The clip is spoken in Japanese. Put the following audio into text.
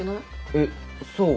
えっそう？